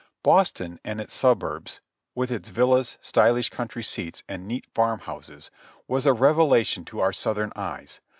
Boston and its suburbs, with its villas, stylish country seats and neat farm houses, was a revelation to our Southern eyes.